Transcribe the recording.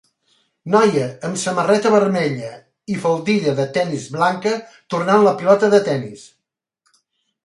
Noia amb samarreta vermella i faldilla de tenis blanca tornant la pilota de tenis.